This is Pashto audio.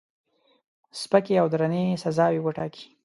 سپکې او درنې سزاوي وټاکي.